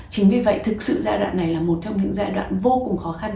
chính vì vậy thực sự giai đoạn này là một trong những giai đoạn vô cùng khó khăn